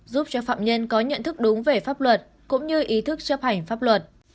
giúp cho phạm nhân có nhận thức đúng về pháp luật cũng như ý thức chấp hành pháp luật